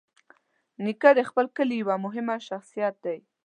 نیکه د خپل کلي یوه مهمه شخصیت دی.